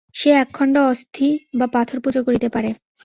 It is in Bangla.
সে একখণ্ড অস্থি বা পাথর পূজা করিতে পারে।